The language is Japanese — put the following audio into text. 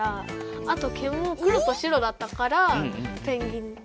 あと毛も黒と白だったからペンギンって。